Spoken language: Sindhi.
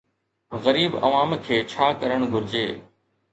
غريب عوام کي ڇا ڪرڻ گهرجي؟